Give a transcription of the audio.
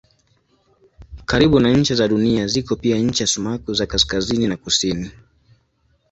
Karibu na ncha za Dunia ziko pia ncha sumaku za kaskazini na kusini.